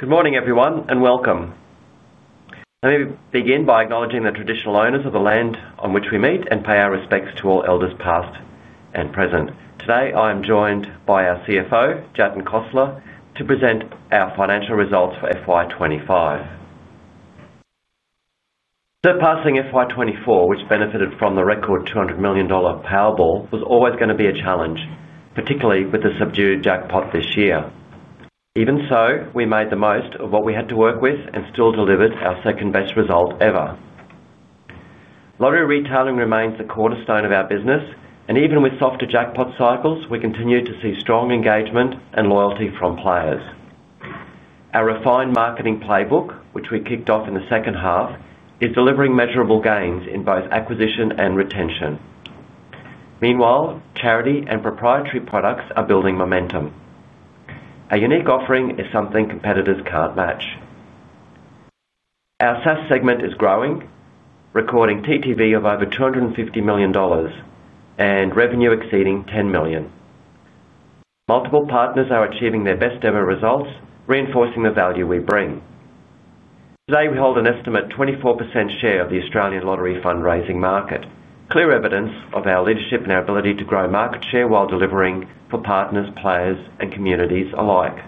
Good morning, everyone, and welcome. Let me begin by acknowledging the traditional owners of the land on which we meet and pay our respects to all elders past and present. Today, I am joined by our CFO, Jatin Khosla, to present our financial results for FY 2025. The passing FY 2024, which benefited from the record $200 million Powerball, was always going to be a challenge, particularly with the subdued jackpot this year. Even so, we made the most of what we had to work with and still delivered our second-best result ever. Lottery retailing remains the cornerstone of our business, and even with softer jackpot cycles, we continue to see strong engagement and loyalty from players. Our refined marketing playbook, which we kicked off in the second half, is delivering measurable gains in both acquisition and retention. Meanwhile, charity and proprietary products are building momentum. Our unique offering is something competitors can't match. Our SaaS segment is growing, recording TTV of over $250 million and revenue exceeding $10 million. Multiple partners are achieving their best demo results, reinforcing the value we bring. Today, we hold an estimated 24% share of the Australian lottery fundraising market, clear evidence of our leadership and our ability to grow market share while delivering for partners, players, and communities alike.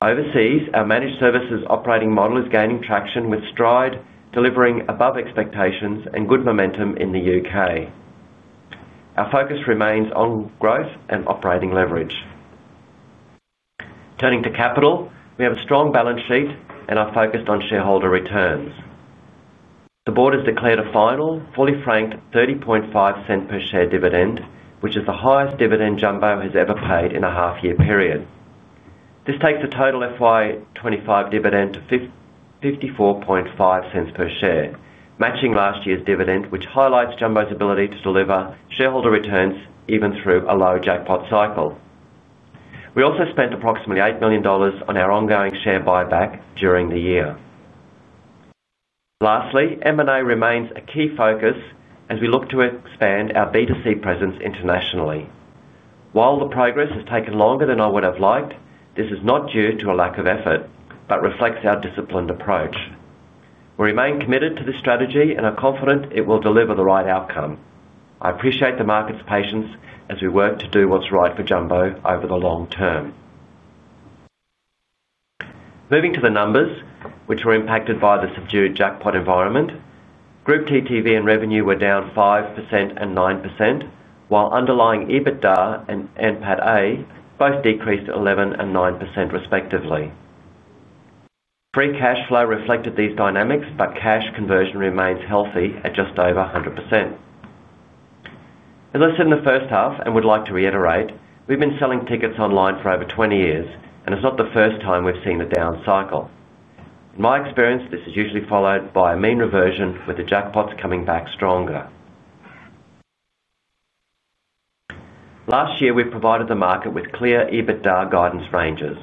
Overseas, our Managed Services operating model is gaining traction with stride, delivering above expectations and good momentum in the U.K. Our focus remains on growth and operating leverage. Turning to capital, we have a strong balance sheet and are focused on shareholder returns. The Board has declared a final, fully franked $30.5 per share dividend, which is the highest dividend Jumbo has ever paid in a half-year period. This takes the total FY 2025 dividend to $54.5 per share, matching last year's dividend, which highlights Jumbo's ability to deliver shareholder returns even through a low jackpot cycle. We also spent approximately $8 million on our ongoing share buyback during the year. Lastly, M&A remains a key focus as we look to expand our B2C presence internationally. While the progress has taken longer than I would have liked, this is not due to a lack of effort but reflects our disciplined approach. We remain committed to this strategy and are confident it will deliver the right outcome. I appreciate the market's patience as we work to do what's right for Jumbo over the long term. Moving to the numbers, which were impacted by the subdued jackpot environment, Group TTV and revenue were down 5% and 9%, while underlying EBITDA and NPATA both decreased at 11% and 9% respectively. Free cash flow reflected these dynamics, but cash conversion remains healthy at just over 100%. As I said in the first half and would like to reiterate, we've been selling tickets online for over 20 years, and it's not the first time we've seen a down cycle. In my experience, this is usually followed by a mean reversion with the jackpots coming back stronger. Last year, we provided the market with clear EBITDA guidance ranges.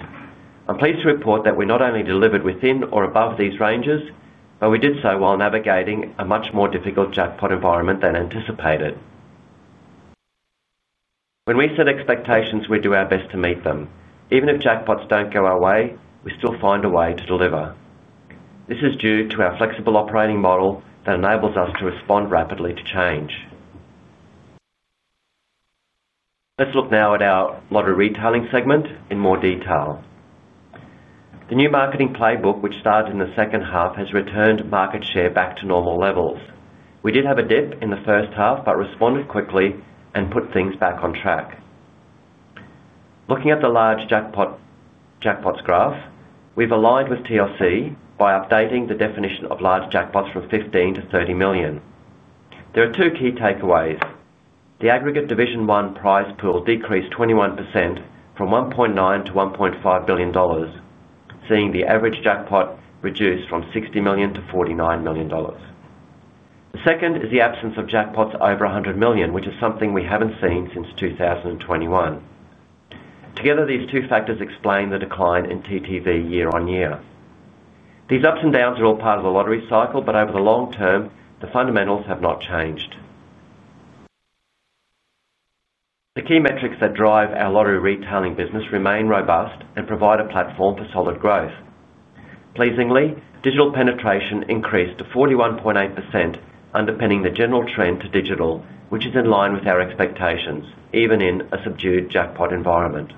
I'm pleased to report that we not only delivered within or above these ranges, but we did so while navigating a much more difficult jackpot environment than anticipated. When we set expectations, we do our best to meet them. Even if jackpots don't go our way, we still find a way to deliver. This is due to our flexible operating model that enables us to respond rapidly to change. Let's look now at our lottery retailing segment in more detail. The new marketing playbook, which started in the second half, has returned market share back to normal levels. We did have a dip in the first half but responded quickly and put things back on track. Looking at the large jackpots graph, we've aligned with TLC by updating the definition of large jackpots from $15 million-$30 million. There are two key takeaways. The Division 1 prize pool decreased 21% from $1.9 billion-$1.5 billion, seeing the average jackpot reduce from $60 million-$49 million. The second is the absence of jackpots over $100 million, which is something we haven't seen since 2021. Together, these two factors explain the decline in TTV year-on-year. These ups and downs are all part of the lottery cycle, but over the long term, the fundamentals have not changed. The key metrics that drive our lottery retailing business remain robust and provide a platform for solid growth. Pleasingly, digital penetration increased to 41.8%, underpinning the general trend to digital, which is in line with our expectations, even in a subdued jackpot environment.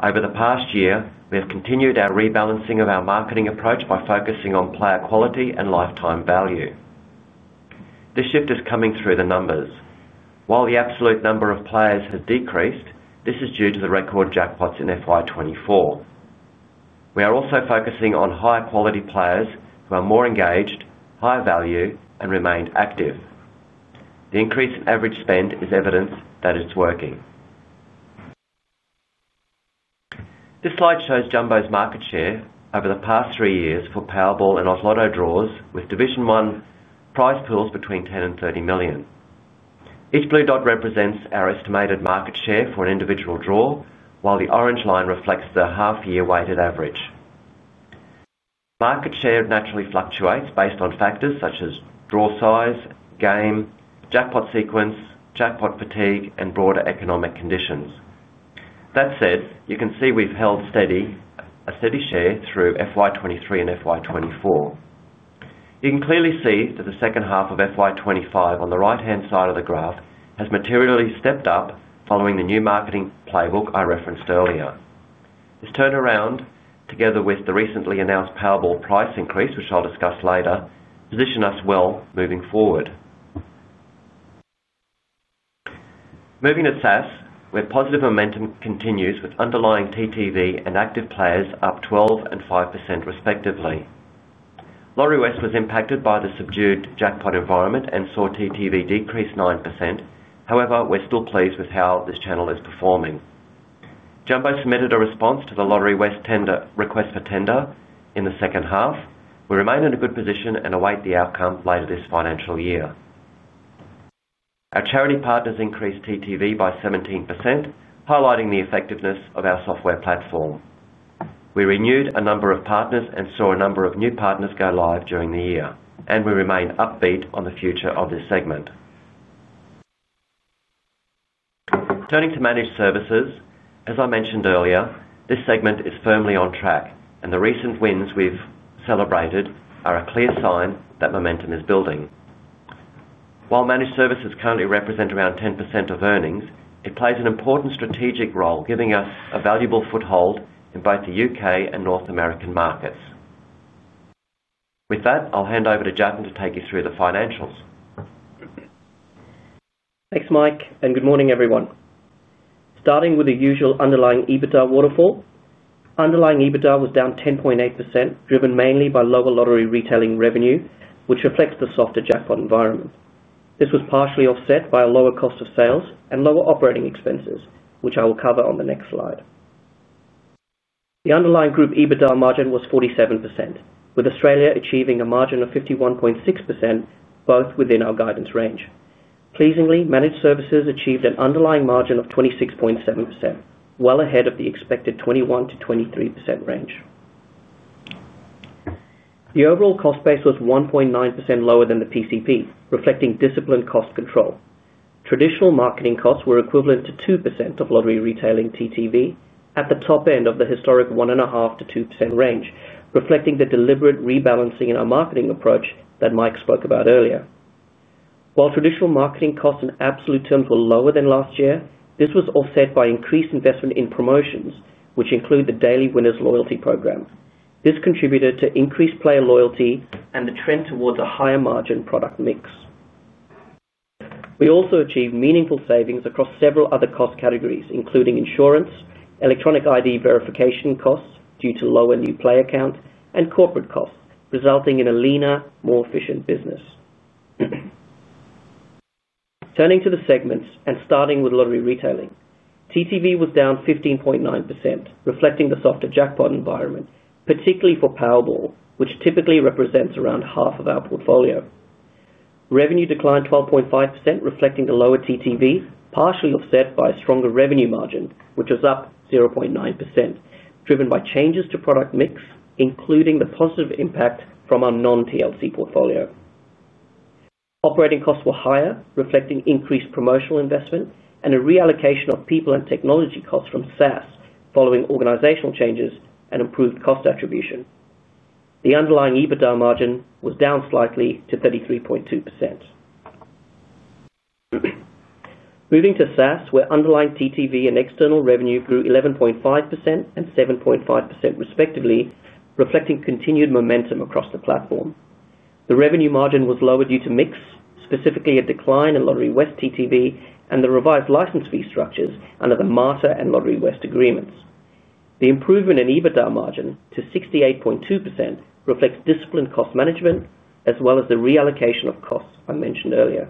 Over the past year, we have continued our rebalancing of our marketing approach by focusing on player quality and lifetime value. This shift is coming through the numbers. While the absolute number of players has decreased, this is due to the record jackpots in FY 2024. We are also focusing on higher quality players who are more engaged, higher value, and remained active. The increase in average spend is evidence that it's working. This slide shows Jumbo's market share over the past three years for Powerball and OzLotto draws, Division 1 prize pools between $10 million and $30 million. Each blue dot represents our estimated market share for an individual draw, while the orange line reflects the half-year weighted average. Market share naturally fluctuates based on factors such as draw size, game, jackpot sequence, jackpot fatigue, and broader economic conditions. That said, you can see we've held a steady share through FY 2023 and FY 2024. You can clearly see that the second half of FY 2025, on the right-hand side of the graph, has materially stepped up following the new marketing playbook I referenced earlier. This turnaround, together with the recently announced Powerball price increase, which I'll discuss later, position us well moving forward. Moving at SaaS, where positive momentum continues with underlying TTV and active players up 12% and 5% respectively. Lotterywest was impacted by the subdued jackpot environment and saw TTV decrease 9%. However, we're still pleased with how this channel is performing. Jumbo submitted a response to the Lotterywest request for tender in the second half. We remain in a good position and await the outcome later this financial year. Our charity partners increased TTV by 17%, highlighting the effectiveness of our software platform. We renewed a number of partners and saw a number of new partners go live during the year, and we remain upbeat on the future of this segment. Turning to Managed Services, as I mentioned earlier, this segment is firmly on track, and the recent wins we've celebrated are a clear sign that momentum is building. While Managed Services currently represent around 10% of earnings, it plays an important strategic role, giving a valuable foothold in both the U.K. and North American markets. With that, I'll hand over to Jatin to take you through the financials. Thanks, Mike, and good morning, everyone. Starting with the usual underlying EBITDA waterfall, underlying EBITDA was down 10.8%, driven mainly by lower lottery retailing revenue, which reflects the softer jackpot environment. This was partially offset by a lower cost of sales and lower operating expenses, which I will cover on the next slide. The underlying group EBITDA margin was 47%, with Australia achieving a margin of 51.6%, both within our guidance range. Pleasingly, Managed Services achieved an underlying margin of 26.7%, well ahead of the expected 21%-23% range. The overall cost base was 1.9% lower than the PCP, reflecting disciplined cost control. Traditional marketing costs were equivalent to 2% of lottery retailing TTV, at the top end of the historic 1.5%-2% range, reflecting the deliberate rebalancing in our marketing approach that Mike spoke about earlier. While traditional marketing costs in absolute terms were lower than last year, this was offset by increased investment in promotions, which include the Daily Winners loyalty program. This contributed to increased player loyalty and the trend towards a higher-margin product mix. We also achieved meaningful savings across several other cost categories, including insurance, electronic ID verification costs due to lower new player count, and corporate costs, resulting in a leaner, more efficient business. Turning to the segments and starting with lottery retailing, TTV was down 15.9%, reflecting the softer jackpot environment, particularly for Powerball, which typically represents around half of our portfolio. Revenue declined 12.5%, reflecting the lower TTVs, partially offset by a stronger revenue margin, which was up 0.9%, driven by changes to product mix, including the positive impact from our non-TLC portfolio. Operating costs were higher, reflecting increased promotional investment and a reallocation of people and technology costs from SaaS, following organizational changes and improved cost attribution. The underlying EBITDA margin was down slightly to 33.2%. Moving to SaaS, where underlying TTV and external revenue grew 11.5% and 7.5% respectively, reflecting continued momentum across the platform. The revenue margin was lower due to mix, specifically a decline in Lotterywest TTV and the revised license fee structures under the Mater and Lotterywest agreements. The improvement in EBITDA margin to 68.2% reflects disciplined cost management, as well as the reallocation of costs I mentioned earlier.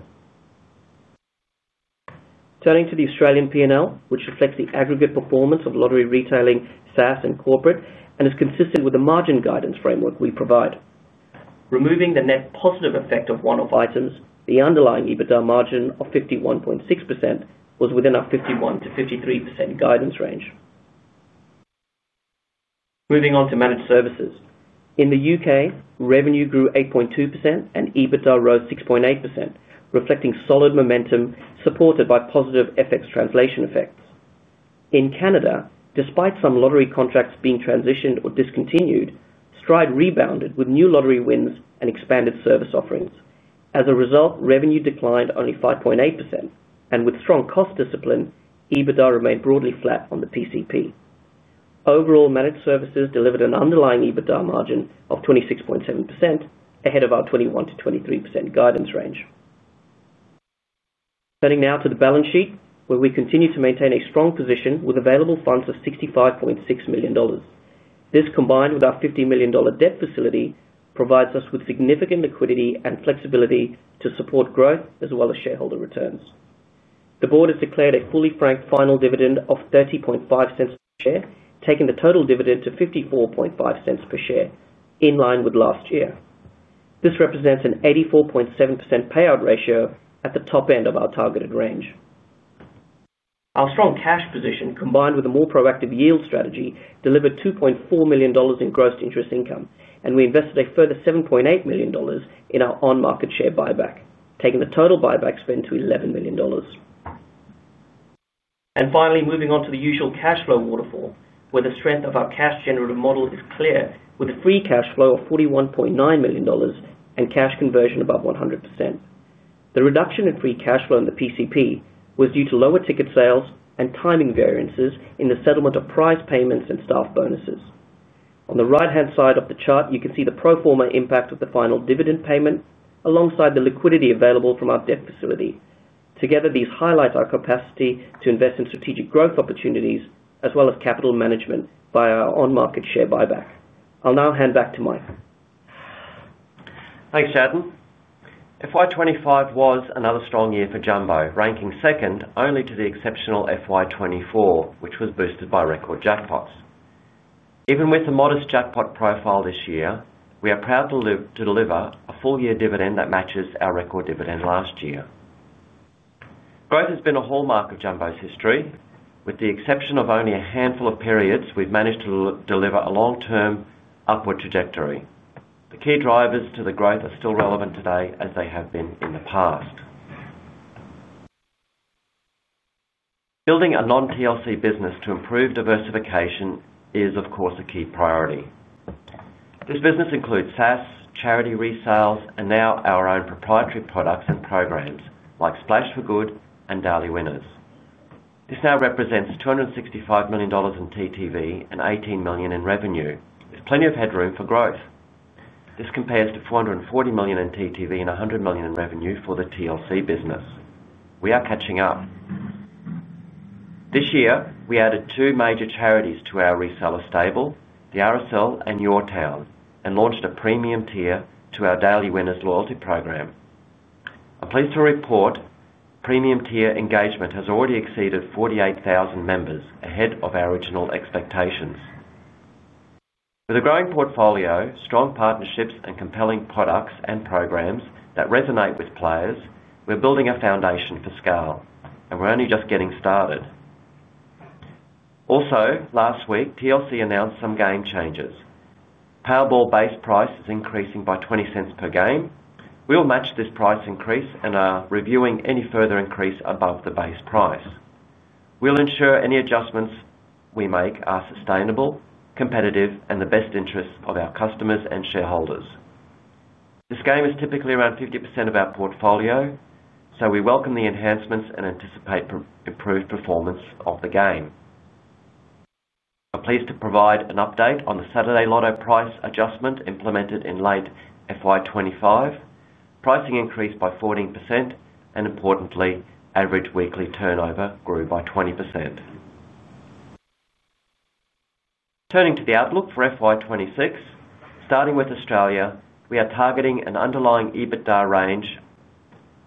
Turning to the Australian P&L, which reflects the aggregate performance of lottery retailing, SaaS, and corporate, and is consistent with the margin guidance framework we provide. Removing the net positive effect of one-off items, the underlying EBITDA margin of 51.6% was within our 51%-53% guidance range. Moving on to Managed Services. In the U.K., revenue grew 8.2% and EBITDA rose 6.8%, reflecting solid momentum supported by positive FX translation effects. In Canada, despite some lottery contracts being transitioned or discontinued, Stride rebounded with new lottery wins and expanded service offerings. As a result, revenue declined only 5.8%, and with strong cost discipline, EBITDA remained broadly flat on the PCP. Overall, Managed Services delivered an underlying EBITDA margin of 26.7%, ahead of our 21%-23% guidance range. Turning now to the balance sheet, where we continue to maintain a strong position with available funds of $65.6 million. This combined with our $50 million debt facility provides us with significant liquidity and flexibility to support growth as well as shareholder returns. The board has declared a fully franked final dividend of $30.5 per share, taking the total dividend to $54.5 per share, in line with last year. This represents an 84.7% payout ratio at the top end of our targeted range. Our strong cash position, combined with a more proactive yield strategy, delivered $2.4 million in gross interest income, and we invested a further $7.8 million in our on-market share buyback, taking the total buyback spend to $11 million. Finally, moving on to the usual cash flow waterfall, where the strength of our cash-generative model is clear, with a free cash flow of $41.9 million and cash conversion above 100%. The reduction in free cash flow in the PCP was due to lower ticket sales and timing variances in the settlement of prize payments and staff bonuses. On the right-hand side of the chart, you can see the pro forma impact of the final dividend payment, alongside the liquidity available from our debt facility. Together, these highlight our capacity to invest in strategic growth opportunities, as well as capital management by our on-market share buyback. I'll now hand back to Mike. Thanks, Jatin. FY 2025 was another strong year for Jumbo, ranking second only to the exceptional FY 2024, which was boosted by record jackpots. Even with a modest jackpot profile this year, we are proud to deliver a full-year dividend that matches our record dividend last year. Growth has been a hallmark of Jumbo's history. With the exception of only a handful of periods, we've managed to deliver a long-term upward trajectory. The key drivers to the growth are still relevant today, as they have been in the past. Building a non-TLC business to improve diversification is, of course, a key priority. This business includes SaaS, charity resales, and now our own proprietary products and programs like Splash for Good and Daily Winners. This now represents $265 million in TTV and $18 million in revenue, with plenty of headroom for growth. This compares to $440 million in TTV and $100 million in revenue for the TLC business. We are catching up. This year, we added two major charities to our reseller stable, the RSL and Your Town, and launched a premium tier to our Daily Winners loyalty program. I'm pleased to report that premium tier engagement has already exceeded 48,000 members, ahead of our original expectations. With a growing portfolio, strong partnerships, and compelling products and programs that resonate with players, we're building a foundation for scale, and we're only just getting started. Also, last week, TLC announced some game changes. Powerball base price is increasing by $0.20 per game. We'll match this price increase and are reviewing any further increase above the base price. We'll ensure any adjustments we make are sustainable, competitive, and in the best interests of our customers and shareholders. This game is typically around 50% of our portfolio, so we welcome the enhancements and anticipate improved performance of the game. I'm pleased to provide an update on the Saturday lotto price adjustment implemented in late FY 2025. Pricing increased by 14%, and importantly, average weekly turnover grew by 20%. Turning to the outlook for FY 2026, starting with Australia, we are targeting an underlying EBITDA range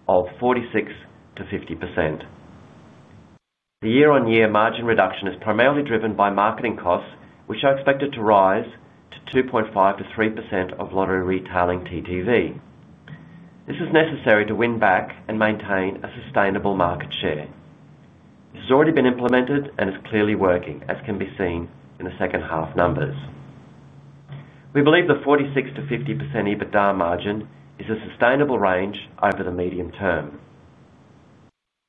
of 46%-50%. The year-on-year margin reduction is primarily driven by marketing costs, which are expected to rise to 2.5%-3% of lottery retailing TTV. This is necessary to win back and maintain a sustainable market share. This has already been implemented and is clearly working, as can be seen in the second half numbers. We believe the 46%-50% EBITDA margin is a sustainable range over the medium term.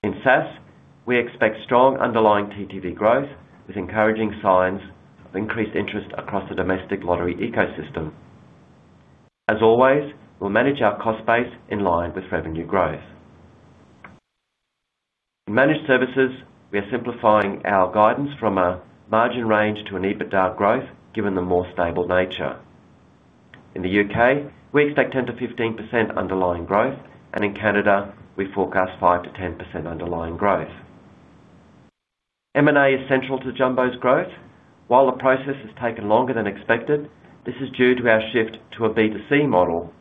In SaaS, we expect strong underlying TTV growth, with encouraging signs of increased interest across the domestic lottery ecosystem. As always, we'll manage our cost base in line with revenue growth. In Managed Services, we are simplifying our guidance from a margin range to an EBITDA growth, given the more stable nature. In the U.K., we expect 10%-15% underlying growth, and in Canada, we forecast 5%-10% underlying growth. M&A is central to Jumbo's growth. While the process has taken longer than expected, this is due to our shift to a B2C model.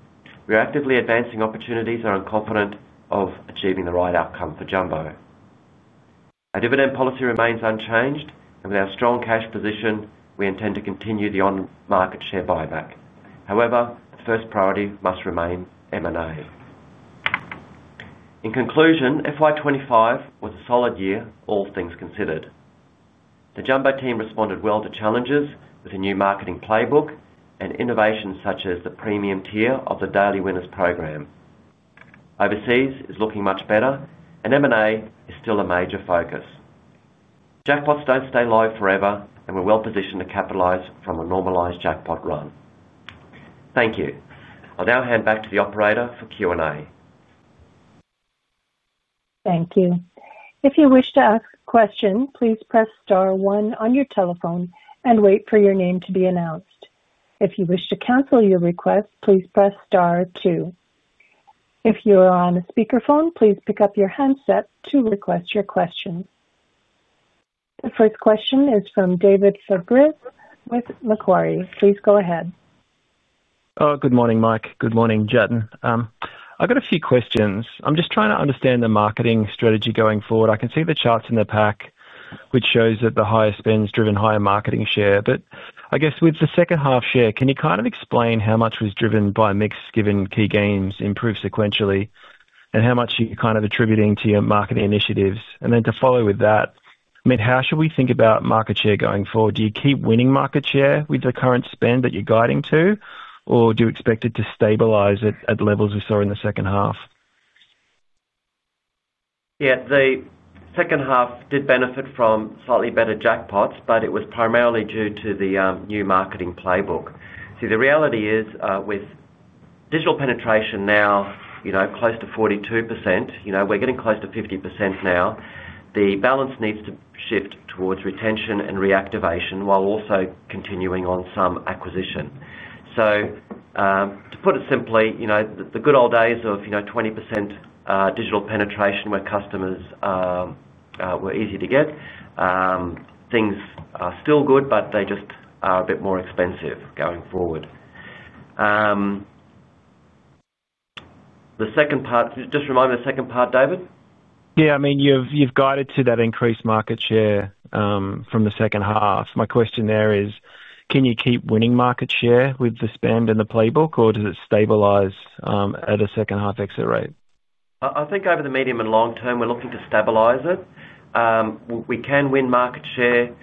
We're actively advancing opportunities and are confident of achieving the right outcome for Jumbo. Our dividend policy remains unchanged, and with our strong cash position, we intend to continue the on-market share buyback. However, the first priority must remain M&A. In conclusion, FY 2025 was a solid year, all things considered. The Jumbo team responded well to challenges with a new marketing playbook and innovations such as the premium tier of the Daily Winners program. Overseas is looking much better, and M&A is still a major focus. Jackpots don't stay live forever, and we're well-positioned to capitalize from a normalized jackpot run. Thank you. I'll now hand back to the operator for Q&A. Thank you. If you wish to ask a question, please press star one on your telephone and wait for your name to be announced. If you wish to cancel your request, please press star two. If you are on a speakerphone, please pick up your headset to request your question. The first question is from David Schmidt with Macquarie. Please go ahead. Good morning, Mike. Good morning, Jatin. I've got a few questions. I'm just trying to understand the marketing strategy going forward. I can see the charts in the pack, which shows that the higher spend is driven by higher market share. I guess with the second half share, can you kind of explain how much was driven by mix given key games improved sequentially and how much you're kind of attributing to your marketing initiatives? To follow with that, I mean, how should we think about market share going forward? Do you keep winning market share with the current spend that you're guiding to, or do you expect it to stabilize at levels we saw in the second half? Yeah, the second half did benefit from slightly better jackpots, but it was primarily due to the new marketing playbook. The reality is with digital penetration now close to 42%, we're getting close to 50% now. The balance needs to shift towards retention and reactivation while also continuing on some acquisition. To put it simply, the good old days of 20% digital penetration where customers were easy to get, things are still good, but they just are a bit more expensive going forward. The second part, just remind me of the second part, David. Yeah, I mean, you've guided to that increased market share from the second half. My question there is, can you keep winning market share with the spend and the playbook, or does it stabilize at a second half exit rate? I think over the medium and long term, we're looking to stabilize it. We can win market share, you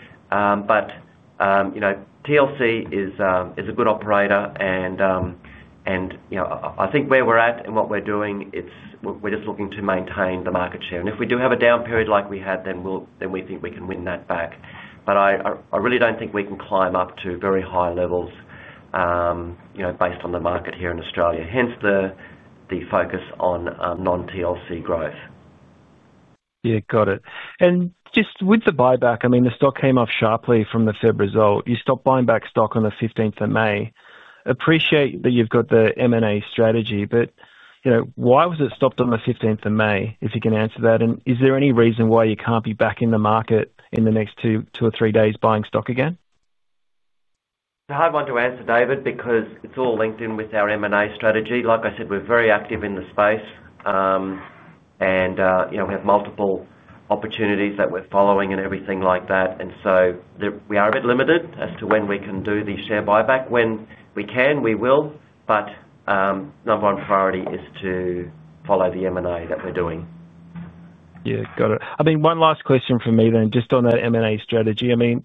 know, TLC is a good operator, and, you know, I think where we're at and what we're doing, we're just looking to maintain the market share. If we do have a down period like we had, then we think we can win that back. I really don't think we can climb up to very high levels, you know, based on the market here in Australia, hence the focus on non-TLC growth. Yeah, got it. Just with the buyback, I mean, the stock came off sharply from the Fed result. You stopped buying back stock on 15th on May. Appreciate that you've got the M&A strategy, but why was it stopped on 15th on May, if you can answer that? Is there any reason why you can't be back in the market in the next two or three days buying stock again? I want to answer, David, because it's all linked in with our M&A strategy. Like I said, we're very active in the space, and we have multiple opportunities that we're following and everything like that. We are a bit limited as to when we can do the share buyback. When we can, we will, but our number one priority is to follow the M&A that we're doing. Yeah, got it. I mean, one last question from me then, just on that M&A strategy. I mean,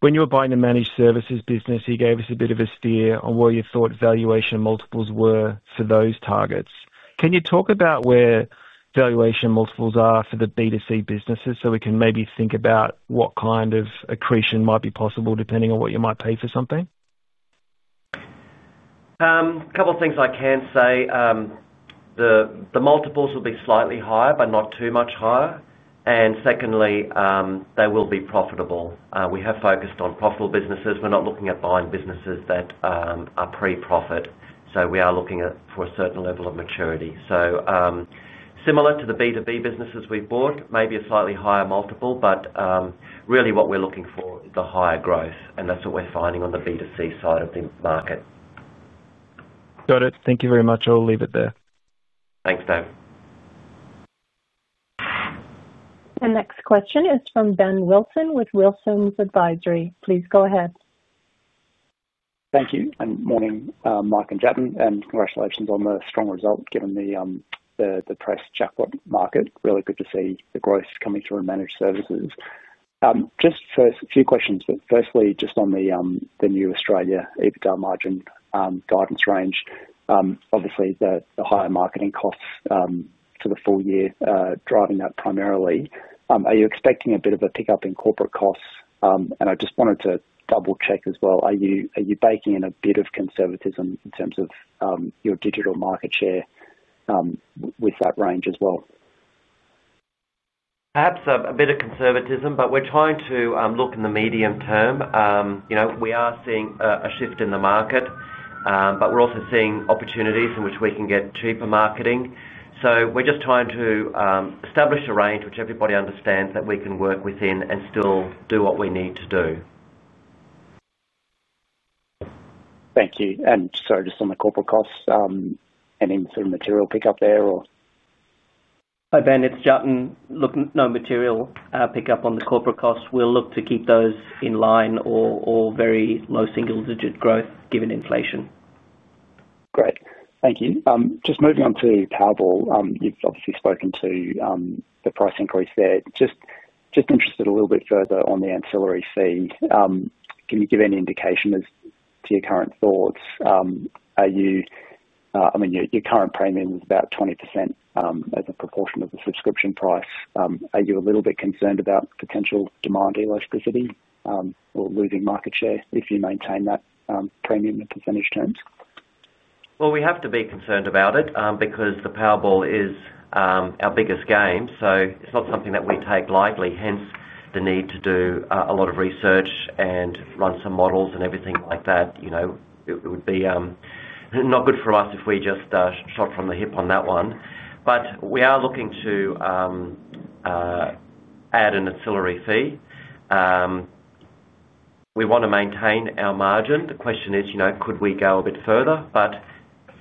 when you were buying the Managed Services business, you gave us a bit of a steer on where you thought valuation multiples were for those targets. Can you talk about where valuation multiples are for the B2C businesses so we can maybe think about what kind of accretion might be possible depending on what you might pay for something? A couple of things I can say. The multiples will be slightly higher, but not too much higher. Secondly, they will be profitable. We have focused on profitable businesses. We're not looking at buying businesses that are pre-profit. We are looking for a certain level of maturity. Similar to the B2B businesses we've bought, maybe a slightly higher multiple, but really what we're looking for is the higher growth, and that's what we're finding on the B2C side of the market. Got it. Thank you very much. I'll leave it there. Thanks, David. The next question is from Ben Wilson with Wilsons Advisory. Please go ahead. Thank you, and morning, Mike and Jatin, and congratulations on the strong result given the press jackpot market. Really good to see the growth coming through in Managed Services. Just first, a few questions, but firstly, just on the new Australia EBITDA margin guidance range. Obviously, the higher marketing costs for the full year are driving that primarily. Are you expecting a bit of a pickup in corporate costs? I just wanted to double-check as well. Are you baking in a bit of conservatism in terms of your digital market share with that range as well? Perhaps a bit of conservatism, but we're trying to look in the medium term. You know, we are seeing a shift in the market, but we're also seeing opportunities in which we can get cheaper marketing. We're just trying to establish a range which everybody understands that we can work within and still do what we need to do. Thank you. Sorry, just on the corporate costs, any sort of material pickup there? Hi, Ben. It's Jatin. Look, no material pickup on the corporate costs. We'll look to keep those in line or very low single-digit growth given inflation. Great. Thank you. Just moving on to Powerball, you've obviously spoken to the price increase there. Just interested a little bit further on the ancillary fee. Can you give any indication as to your current thoughts? I mean, your current premium is about 20% as a proportion of the subscription price. Are you a little bit concerned about potential demand elasticity or losing market share if you maintain that premium at the finished terms? We have to be concerned about it because the Powerball is our biggest game, so it's not something that we take lightly. Hence, the need to do a lot of research and run some models and everything like that. It would be not good for us if we just shot from the hip on that one. We are looking to add an ancillary fee. We want to maintain our margin. The question is, could we go a bit further?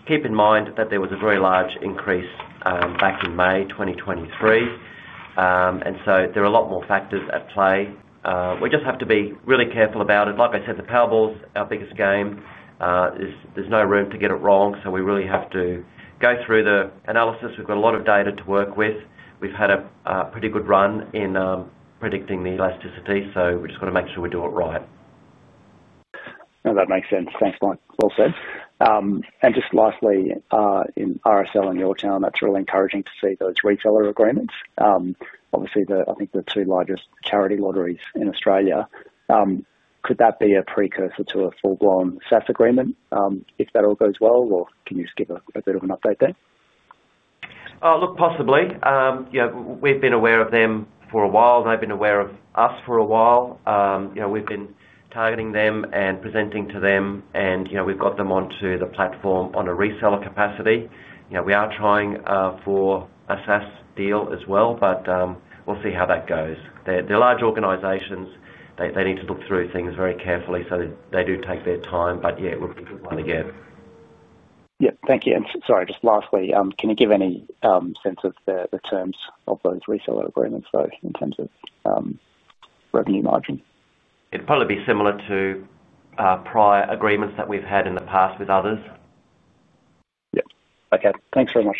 Keep in mind that there was a very large increase back in May 2023, and there are a lot more factors at play. We just have to be really careful about it. Like I said, the Powerball's our biggest game. There's no room to get it wrong. We really have to go through the analysis. We've got a lot of data to work with. We've had a pretty good run in predicting the elasticity. We've just got to make sure we do it right. That makes sense. Thanks, Mike. In RSL and Your Town, that's really encouraging to see those retailer agreements. Obviously, I think the two largest charity lotteries in Australia. Could that be a precursor to a full-blown SaaS agreement if that all goes well? Can you just give a bit of an update there? Look, possibly. We've been aware of them for a while, and they've been aware of us for a while. We've been targeting them and presenting to them, and we've got them onto the platform on a reseller capacity. We are trying for a SaaS deal as well, but we'll see how that goes. They're large organizations. They need to look through things very carefully, so they do take their time. We'll give it one again. Thank you. Sorry, just lastly, can you give any sense of the terms of those reseller agreements, in terms of revenue margin? It'd probably be similar to prior agreements that we've had in the past with others. Okay, thanks very much.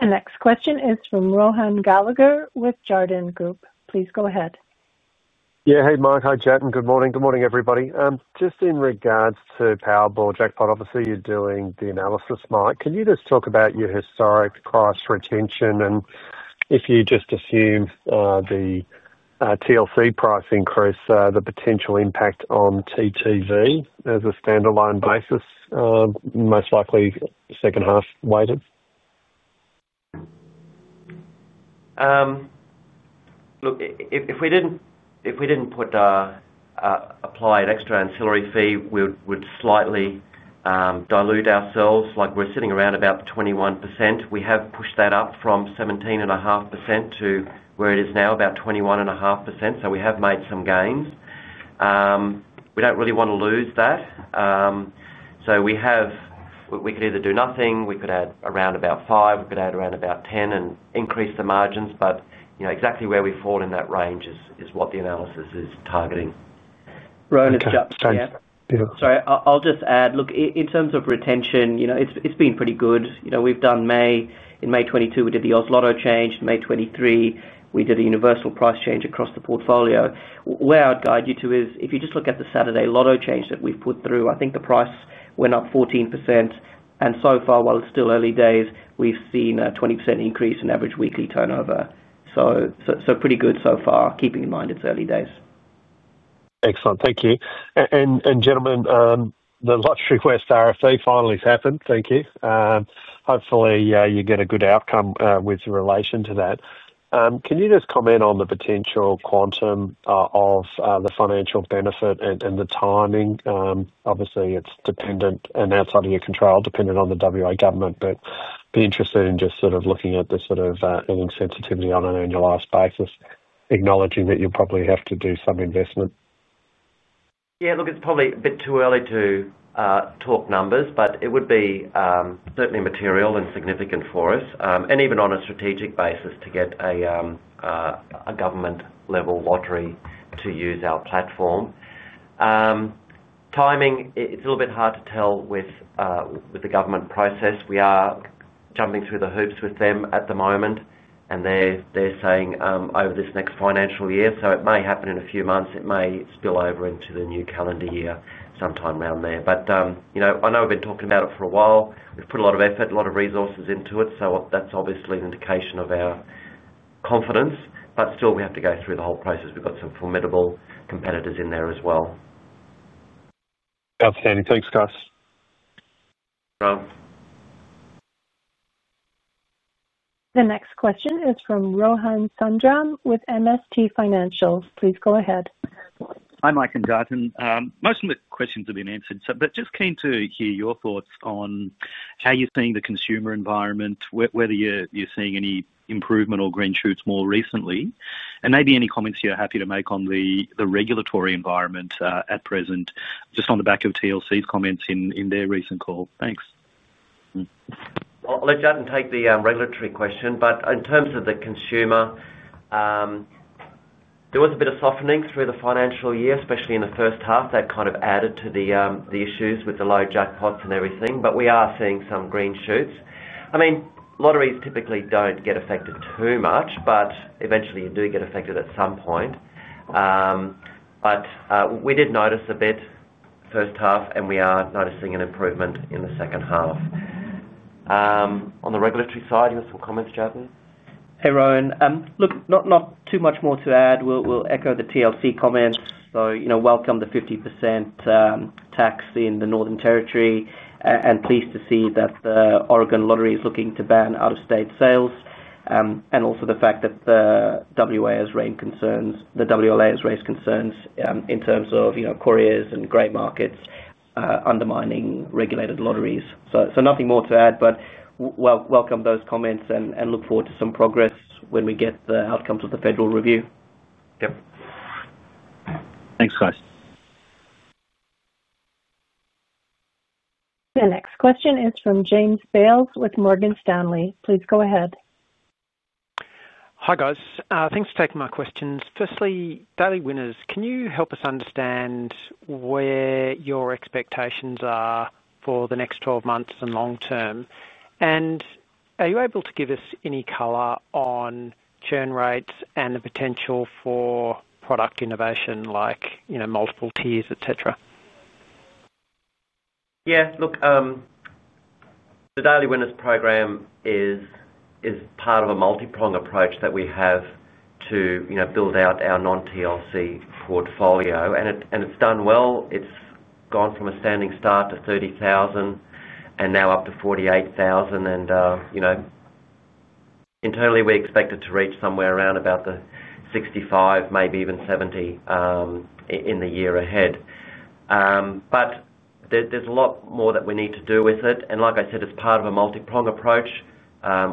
The next question is from Rohan Gallagher with Jarden Group. Please go ahead. Yeah, hey Mike, hi Jatin, good morning. Good morning everybody. Just in regards to Powerball jackpot, obviously you're doing the analysis, Mike. Can you just talk about your historic price retention and if you just assume the TLC price increase, the potential impact on TTV as a standalone basis, most likely second half weighted? Look, if we didn't apply an extra ancillary fee, we would slightly dilute ourselves. Like we're sitting around about 21%. We have pushed that up from 17.5% to where it is now, about 21.5%. We have made some gains. We don't really want to lose that. We could either do nothing, we could add around about 5%, we could add around about 10% and increase the margins. You know, exactly where we fall in that range is what the analysis is targeting. Rohan, it's Jatin. I'll just add, look, in terms of retention, it's been pretty good. We've done May, in May 2022, we did the U.S. lotto change. In May 2023, we did a universal price change across the portfolio. Where I'd guide you to is if you just look at the Saturday lotto change that we've put through, I think the price went up 14%. So far, while it's still early days, we've seen a 20% increase in average weekly turnover. Pretty good so far, keeping in mind it's early days. Excellent, thank you. Gentlemen, the Lotterywest RFP finally has happened. Thank you. Hopefully, you get a good outcome with your relation to that. Can you just comment on the potential quantum of the financial benefit and the timing? Obviously, it's dependent and outside of your control, dependent on the WA government. I'd be interested in just sort of looking at the sort of earnings sensitivity on an annualized basis, acknowledging that you'll probably have to do some investment. Yeah, look, it's probably a bit too early to talk numbers, but it would be certainly material and significant for us, and even on a strategic basis, to get a government-level lottery to use our platform. Timing, it's a little bit hard to tell with the government process. We are jumping through the hoops with them at the moment, and they're saying over this next financial year, so it may happen in a few months. It may spill over into the new calendar year sometime around there. You know, I know we've been talking about it for a while. We've put a lot of effort, a lot of resources into it. That's obviously an indication of our confidence. Still, we have to go through the whole process. We've got some formidable competitors in there as well. Outstanding. Thanks, guys. No problem. The next question is from Rohan Sundram with MST Financial. Please go ahead. Hi, Mike and Jatin. Most of the questions have been answered, but just keen to hear your thoughts on how you're seeing the consumer environment, whether you're seeing any improvement or green shoots more recently, and maybe any comments you're happy to make on the regulatory environment at present, just on the back of Lotterywest's comments in their recent call. Thanks. I'll let Jatin take the regulatory question. In terms of the consumer, there was a bit of softening through the financial year, especially in the first half that kind of added to the issues with the low jackpots and everything. We are seeing some green shoots. I mean, lotteries typically don't get affected too much, eventually you do get affected at some point. We did notice a bit in the first half, and we are noticing an improvement in the second half. On the regulatory side, you have some comments, Jatin? Hey, Rohan. Not too much more to add. We'll echo the TLC comment. We welcome the 50% tax in the Northern Territory and are pleased to see that the Oregon Lottery is looking to ban out-of-state sales. Also, the fact that the WLA has raised concerns in terms of couriers and gray markets undermining regulated lotteries. Nothing more to add, but welcome those comments and look forward to some progress when we get the outcomes of the federal review. Yep, thanks, guys. The next question is from James Bales with Morgan Stanley. Please go ahead. Hi, guys. Thanks for taking my questions. Firstly, Daily Winners, can you help us understand where your expectations are for the next 12 months and long term? Are you able to give us any color on churn rates and the potential for product innovation like, you know, multiple tiers, etc.? Yeah, look, the Daily Winners program is part of a multiprong approach that we have to, you know, build out our non-TLC portfolio, and it's done well. It's gone from a standing start to 30,000 and now up to 48,000. You know, internally, we expect it to reach somewhere around about the 65%, maybe even 70% in the year ahead. There's a lot more that we need to do with it. Like I said, it's part of a multiprong approach.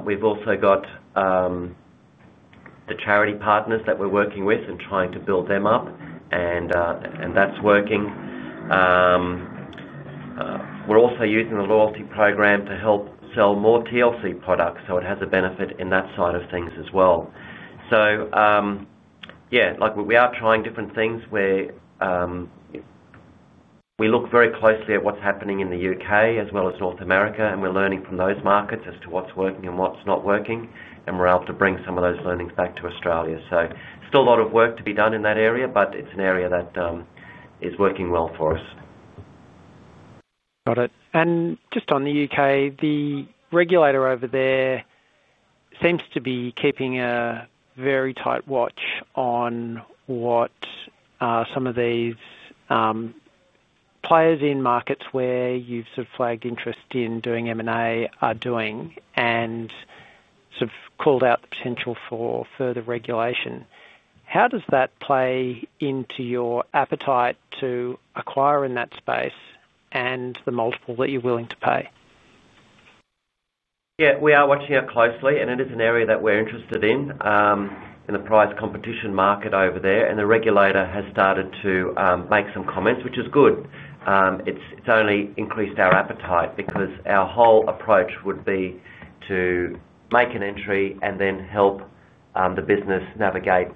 We've also got the charity partners that we're working with and trying to build them up, and that's working. We're also using the loyalty program to help sell more TLC products, so it has a benefit in that side of things as well. Yeah, we are trying different things where we look very closely at what's happening in the U.K. as well as North America, and we're learning from those markets as to what's working and what's not working, and we're able to bring some of those learnings back to Australia. Still a lot of work to be done in that area, but it's an area that is working well for us. Got it. Just on the U.K., the regulator over there seems to be keeping a very tight watch on what some of these players in markets where you've sort of flagged interest in doing M&A are doing and sort of called out the potential for further regulation. How does that play into your appetite to acquire in that space and the multiple that you're willing to pay? Yeah, we are watching it closely, and it is an area that we're interested in in the price competition market over there, and the regulator has started to make some comments, which is good. It's only increased our appetite because our whole approach would be to make an entry and then help the business navigate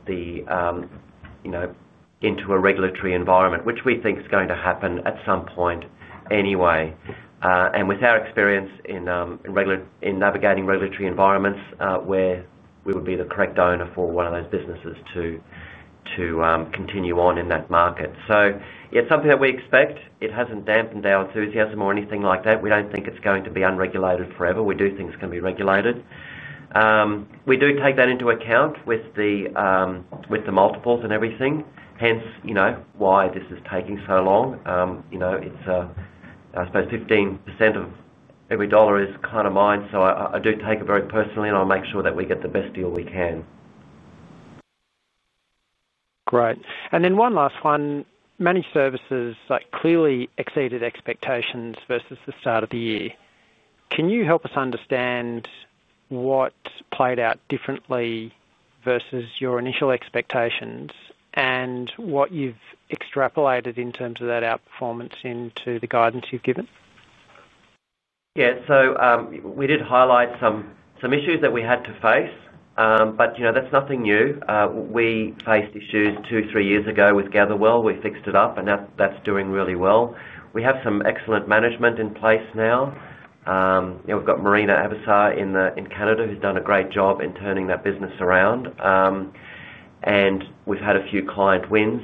into a regulatory environment, which we think is going to happen at some point anyway. With our experience in navigating regulatory environments, we would be the correct owner for one of those businesses to continue on in that market. Yeah, it's something that we expect. It hasn't dampened our enthusiasm or anything like that. We don't think it's going to be unregulated forever. We do think it's going to be regulated. We do take that into account with the multiples and everything. Hence, you know, why this is taking so long. I suppose 15% of every dollar is kind of mine, so I do take it very personally, and I'll make sure that we get the best deal we can. Great. One last one. Managed Services clearly exceeded expectations versus the start of the year. Can you help us understand what played out differently versus your initial expectations, and what you've extrapolated in terms of that outperformance into the guidance you've given? Yeah, we did highlight some issues that we had to face, but you know, that's nothing new. We faced issues two, three years ago with Gatherwell. We fixed it up, and that's doing really well. We have some excellent management in place now. We've got Marina Avisar in Canada who's done a great job in turning that business around, and we've had a few client wins.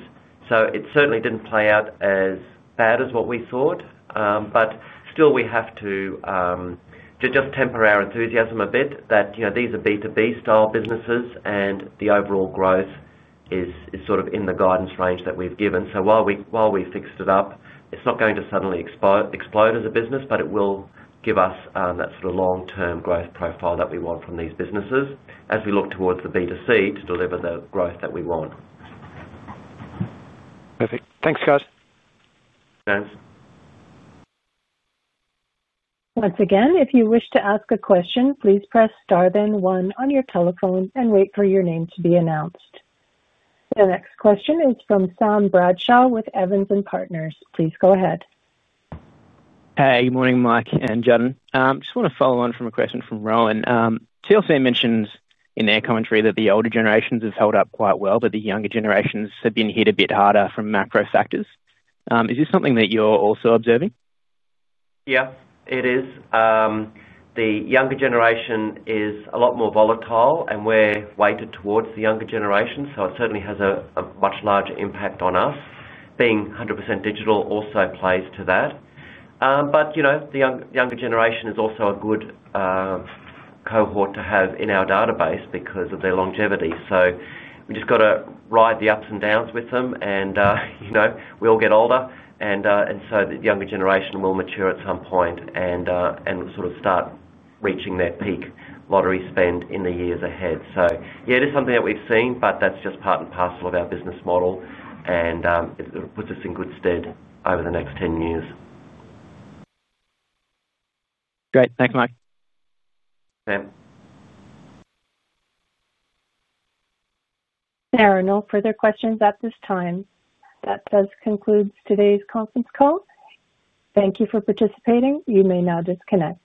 It certainly didn't play out as bad as what we thought, but still we have to just temper our enthusiasm a bit that, you know, these are B2B style businesses and the overall growth is sort of in the guidance range that we've given. While we fixed it up, it's not going to suddenly explode as a business, but it will give us that sort of long-term growth profile that we want from these businesses as we look towards the B2C to deliver the growth that we want. Perfect. Thanks, guys. Thanks. Once again, if you wish to ask a question, please press star then one on your telephone and wait for your name to be announced. The next question is from Sam Bradshaw with Evans and Partners. Please go ahead. Hey, good morning, Mike and Jatin. I just want to follow on from a question from Rohan. TLC mentions in their commentary that the older generations have held up quite well, but the younger generations have been hit a bit harder from macro factors. Is this something that you're also observing? Yeah, it is. The younger generation is a lot more volatile, and we're weighted towards the younger generation, so it certainly has a much larger impact on us. Being 100% digital also plays to that. The younger generation is also a good cohort to have in our database because of their longevity. We just got to ride the ups and downs with them, and we all get older, and the younger generation will mature at some point and sort of start reaching that peak lottery spend in the years ahead. It is something that we've seen, but that's just part and parcel of our business model, and it puts us in good stead over the next 10 years. Great. Thanks, Mike. Sam. There are no further questions at this time. That does conclude today's conference call. Thank you for participating. You may now disconnect.